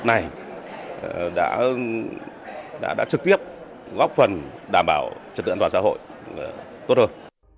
những cái luật này đã trực tiếp góp phần đảm bảo trật tự an toàn xã hội tốt hơn